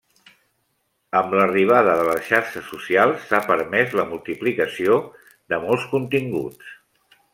Amb l'arribada de les xarxes socials s’ha permés la multiplicació de molts continguts.